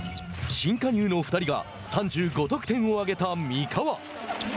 新加入の２人が３５得点を上げた三河。